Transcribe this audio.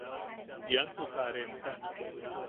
Iansu ta remta.